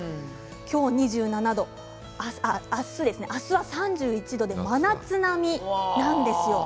今日２７度、明日は３１度で真夏並みなんですよ。